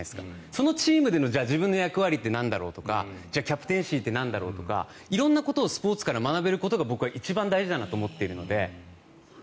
そのチームでの自分の役割ってなんだろうとかキャプテンシーってなんだろうとか色んなことをスポーツから学べることが僕は一番大事だなと思っているので。